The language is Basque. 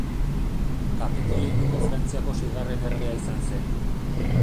Kapeto leinuko Frantziako seigarren erregea izan zen.